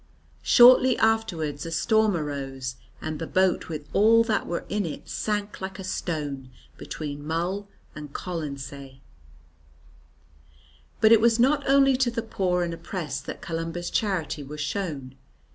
Shortly afterwards a storm arose, and the boat with all that were in it sank like a stone between Mull and Colonsay. But it was not only to the poor and the oppressed that Columba's charity was shown.